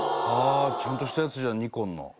ああ！ちゃんとしたやつじゃんＮｉｋｏｎの。